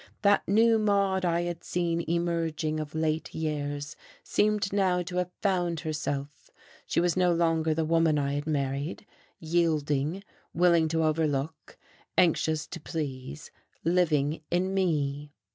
That new Maude I had seen emerging of late years seemed now to have found herself; she was no longer the woman I had married, yielding, willing to overlook, anxious to please, living in me.